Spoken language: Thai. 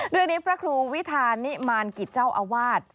เรื่องนี้พระครูวิทานิมารกิจเจ้าอาวาส